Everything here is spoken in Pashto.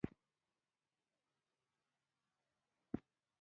په ځانګړي ډول لاسي بیکونو او جیبونو ته ډېر خیال وساتئ.